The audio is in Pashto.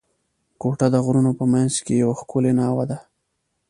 کوټه د غرونو په منځ کښي یوه ښکلې ناوه ده.